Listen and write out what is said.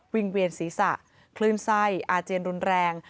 เวียนศีรษะคลื่นไส้อาเจียนรุนแรง